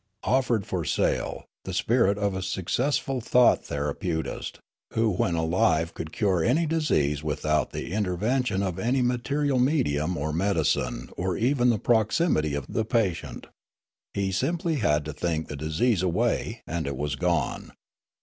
' Offered for sale, the spirit of a successful thought therapeutist, who when alive could cure any disease without the inter vention of any material medium or medicine or even the proximity of the patient. He had simply to think 34^ Riallaro the disease away, and it was gone.